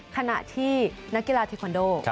ขณะที่นักกีฬาเทคอนโด